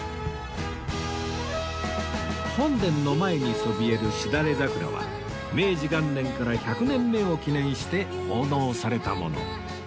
本殿の前にそびえるしだれ桜は明治元年から１００年目を記念して奉納されたもの